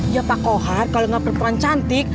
ya pak kohar kalo gak berperan cantik